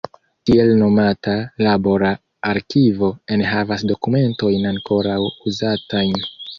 Tiel nomata "labora arkivo" enhavas dokumentojn ankoraŭ uzatajn.